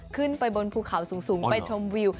ขึ้นไปบนภูเขาสูงไปชมวิว